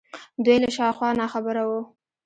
دوی له شا و خوا ناخبره وو